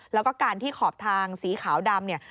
แล้วก็การที่ขอบทางสีขาวดำเนี่ย